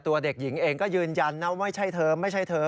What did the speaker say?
เด็กหญิงเองก็ยืนยันนะไม่ใช่เธอไม่ใช่เธอ